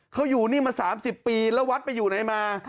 เขาอยู่นี่มา๓๐ปีแล้ววัดไปอยู่ไหนมา